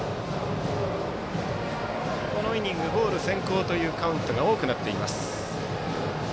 このイニング、ボール先行というカウントが多くなっています。